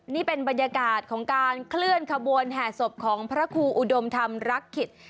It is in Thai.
นี่เป็นบรรยากาศของการเคลื่อนขบวนแห่ศพของพระครูอุดมธรรมรักขิต